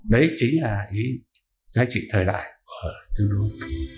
đấy chính là ý giá trị thời đại ở trung quốc